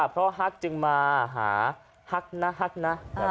เพราะฮักษณ์จึงมาหาฮักษณฮักษณ